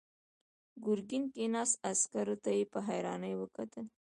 ګرګين کېناست، عسکر ته يې په حيرانۍ وکتل.